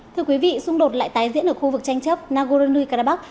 thưa quý vị xung đột lại tái diễn ở khu vực tranh chấp nagorno karabakh